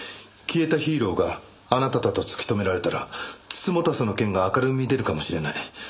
消えたヒーローがあなただと突き止められたら美人局の件が明るみに出るかもしれない。